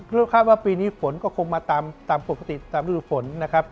รู้สึกว่าปีนี้ฝนก็คงมาตามปกติตามฤดูฝน